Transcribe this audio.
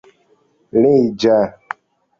leĝa